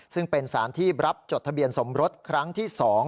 ซึ่งเป็นสารที่รับจดทะเบียนสมรสครั้งที่๒